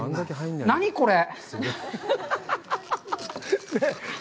何これ。